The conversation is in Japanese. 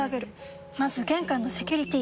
まず玄関のセキュリティ！